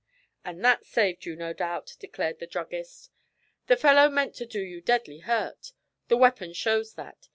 'And that saved you, no doubt,' declared the druggist. 'The fellow meant to do you deadly hurt the weapon shows that.